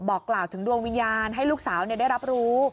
บอกกล่าวถึงดวงวิญญาณให้ลูกสาวได้รับรู้